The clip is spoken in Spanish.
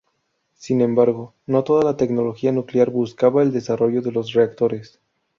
Sin embargo, no toda la tecnología nuclear buscaba el desarrollo de los reactores.